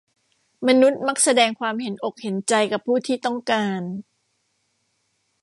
มนุษย์มักแสดงความเห็นอกเห็นใจกับผู้ที่ต้องการ